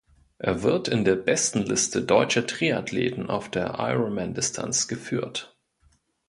Er wird in der Bestenliste deutscher Triathleten auf der Ironman-Distanz geführt.